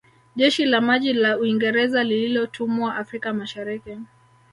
Jeshi la maji la Uingereza lililotumwa Afrika Mashariki